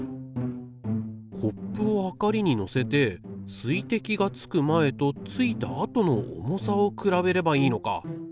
コップをはかりに載せて水滴がつく前とついた後の重さを比べればいいのか。